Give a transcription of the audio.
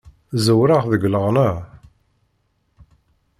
Ẓewreɣ deg leɣna.